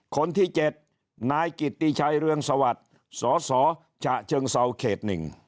คนที่๗นายกิติชัยเรืองสวัสดิ์สสฉะเชิงเซาเขต๑